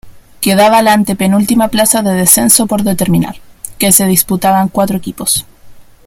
Quedaba la antepenúltima plaza de descenso por determinar, que se disputaban cuatro equipos.